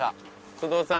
須藤さん